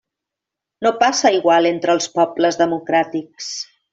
No passa igual entre els pobles democràtics.